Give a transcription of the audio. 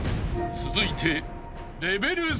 ［続いて］